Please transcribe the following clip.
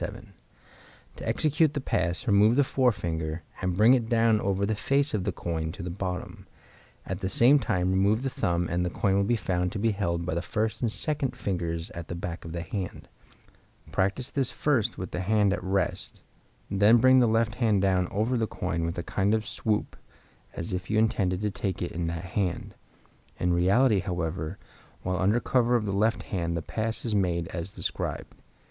7.) To execute the pass, remove the forefinger, and bring it down over the face of the coin to the bottom; at the same time remove the thumb, and the coin will be found to be held by the first and second fingers at the back of the hand. Practice this first with the hand at rest, then bring the left hand down over the coin with a kind of swoop as if you intended to take it in that hand. In reality, however, while under cover of the left hand the pass is made as described.